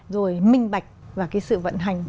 rồi minh bạch và cái sự vận hành